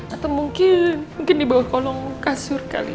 atau mungkin di bawah kolong kasur kali